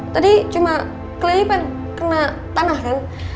tadi cuma kelilipan kena tanah kan